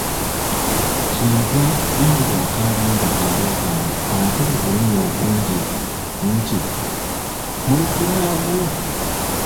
Kye yava bambi akaaba nga bw'aleekaana ate mu bulumi obungi nti, mulekere awo!